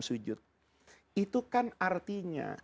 sujud itu kan artinya